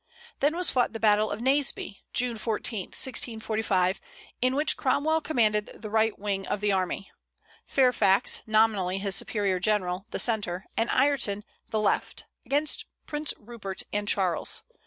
Then was fought the battle of Naseby, June 14, 1645, in which Cromwell commanded the right wing of the army, Fairfax (nominally his superior general) the centre, and Ireton the left; against Prince Rupert and Charles.